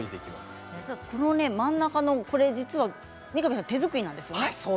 真ん中のこれは三上さんの手作りなんですね。